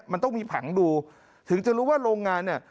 มันต้องมีผังดูถึงจะรู้ว่าโรงงานเนี่ย